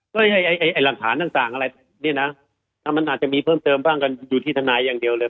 ก็ให้ไอ้หลักฐานต่างอะไรเนี่ยนะมันอาจจะมีเพิ่มเติมบ้างกันอยู่ที่ทนายอย่างเดียวเลย